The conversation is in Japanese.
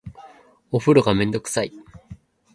お風呂がめんどくさい